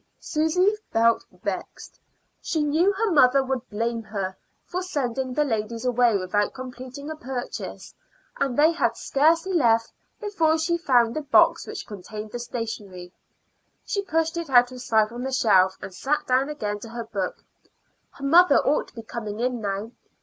Susy felt vexed; she knew her mother would blame her for sending the ladies away without completing a purchase. And they had scarcely left before she found the box which contained the stationery. She pushed it out of sight on the shelf, and sat down again to her book. Her mother ought to be coming in now.